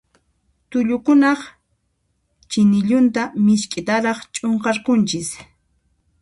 Tullukunaq chinillunta misk'itaraq ch'unqarqunchis.